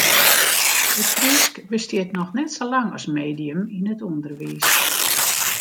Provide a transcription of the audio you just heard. It Frysk bestiet noch net sa lang as medium yn it ûnderwiis.